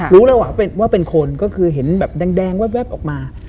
รู้แล้วว่าเป็นคนก็คือเห็นแบบแดงแว๊บออกมา